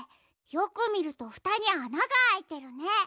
よくみるとふたにあながあいてるね。